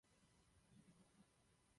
Další placená akce Night of Champions.